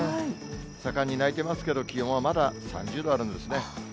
盛んに鳴いてますけど、気温はまだ３０度あるんですね。